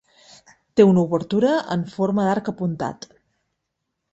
Té una obertura en forma d'arc apuntat.